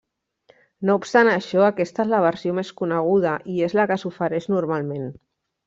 No obstant això, aquesta és la versió més coneguda, i és la que s'ofereix normalment.